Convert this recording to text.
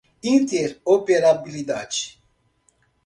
interoperabilidade